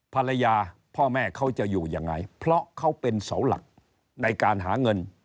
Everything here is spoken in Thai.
ภรรยาพ่อแม่เขาจะอยู่ยังไงเพราะเขาเป็นเสาหลักในการหาเงิน